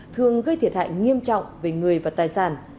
thường gây thiệt hại nghiêm trọng về người và tài sản